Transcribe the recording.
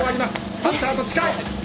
ハンターと近い！